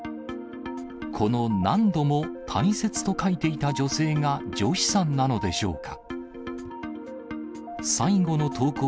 この何度も大切と書いていた女性が、ジョシさんなのでしょうか。